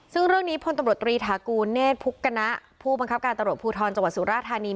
ซึ่งเรื่องนี้พลตำรวจตรีฐากูลเนธพุกณะผู้บังคับการตำรวจภูทรจังหวัดสุราธานี